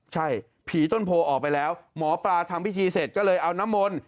ใช่ผีต้นโพออกไปแล้วหมอปลาทำพิธีเสร็จก็เลยเอาน้ำมนต์